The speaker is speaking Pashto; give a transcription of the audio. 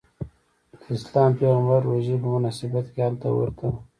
اسلام پیغمبر روژې په میاشت کې هلته ورته.